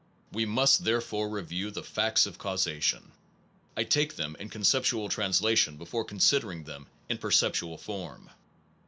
We must therefore review the facts of causa tion. I take them in conceptual translation before considering them in perceptual form.